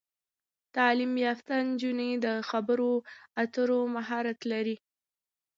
تعلیم یافته نجونې د خبرو اترو مهارت لري.